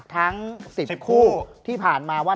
ทั้ง๑๐คู่ที่ผ่านมาว่า